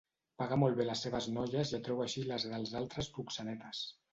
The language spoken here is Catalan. Paga molt bé les seves noies i atreu així les dels altres proxenetes.